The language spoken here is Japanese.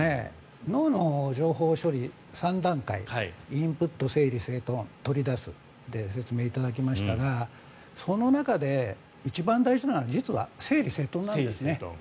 脳の情報処理、３段階インプット、整理整頓取り出すと説明していただきましたがその中で一番大事なのは実は整理整頓なんですね。